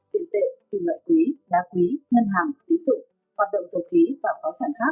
tiền tệ tiền lợi quý đa quý ngân hàng tín dụng hoạt động sầu khí và kho sản khác bảo vệ môi trường thi sản